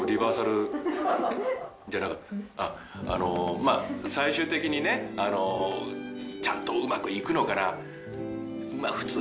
まぁ最終的にねちゃんとうまく行くのかな？ね？